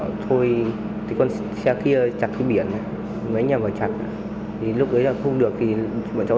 cơ quan cảnh sát điều tra công an huyện phú lương khởi tố về tội cướp tài sản